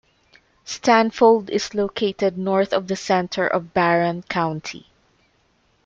Stanfold is located north of the center of Barron County.